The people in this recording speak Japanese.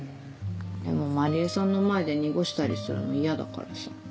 でも万里江さんの前で濁したりするの嫌だからさ。